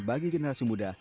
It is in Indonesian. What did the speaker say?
bagi generasi muda